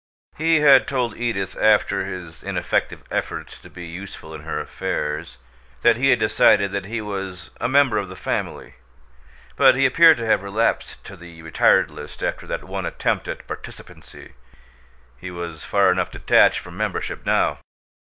He had told Edith, after his ineffective effort to be useful in her affairs, that he had decided that he was "a member of the family"; but he appeared to have relapsed to the retired list after that one attempt at participancy he was far enough detached from membership now.